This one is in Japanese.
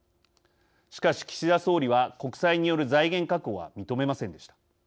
しかし岸田総理は国債による財源確保は認めませんでした。